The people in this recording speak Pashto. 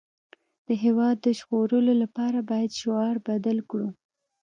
د هېواد د ژغورلو لپاره باید شعار بدل کړو